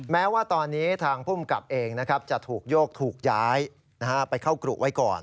แม้ว่าตอนนี้ทางภูมิกับเองจะถูกโยกถูกย้ายไปเข้ากรุไว้ก่อน